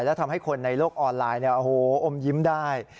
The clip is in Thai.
และทำให้คนในโลกออนไลน์อมยิ้มได้